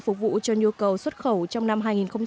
phục vụ cho nhu cầu xuất khẩu trong năm hai nghìn một mươi tám